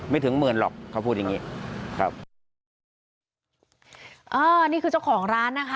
ถึงหมื่นหรอกเขาพูดอย่างงี้ครับอ่านี่คือเจ้าของร้านนะคะ